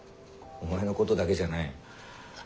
お前のことだけじゃない。